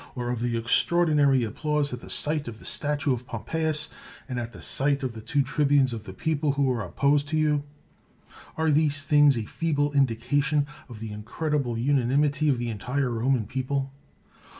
or of the extraordinary applause at the sight of the statue of Pompeius ? and at that sight of the 166 CICERO two tribunes of the people who are opposed to you? Are these things a feeble indication of the incredible unanimity of the entire Roman people?